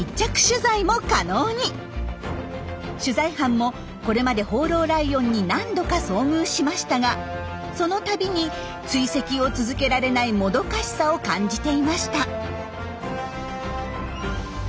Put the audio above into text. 取材班もこれまで放浪ライオンに何度か遭遇しましたがそのたびに追跡を続けられないもどかしさを感じていました。